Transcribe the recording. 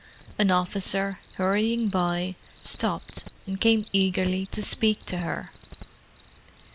An officer, hurrying by, stopped and came eagerly to speak to her.